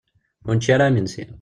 Ur nečči ara imensi.